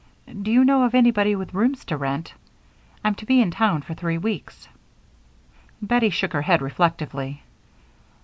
Do you know of anybody with rooms to rent? I'm to be in town for three weeks." Bettie shook her head, reflectively.